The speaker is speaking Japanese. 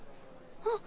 あっ。